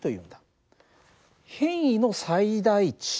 変位の最大値